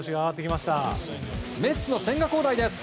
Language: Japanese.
メッツの千賀滉大です。